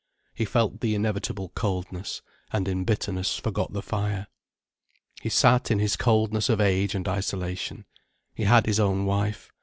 He felt the inevitable coldness, and in bitterness forgot the fire. He sat in his coldness of age and isolation. He had his own wife.